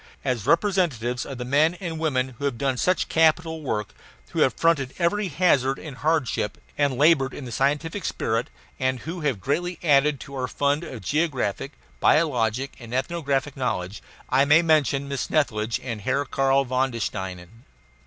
As representatives of the men and women who have done such capital work, who have fronted every hazard and hardship and labored in the scientific spirit, and who have added greatly to our fund of geographic, biologic, and ethnographic knowledge, I may mention Miss Snethlage and Herr Karl von den Steinen.